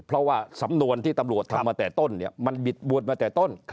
เพราะว่าสำนวนที่ตำรวจทำมาแต่ต้นเนี่ยมันบิดบวนมาแต่ต้น